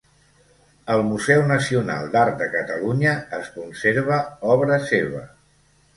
Al Museu Nacional d'Art de Catalunya es conserva obra seva.